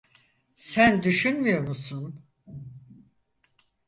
Sen düşünmüyor musun?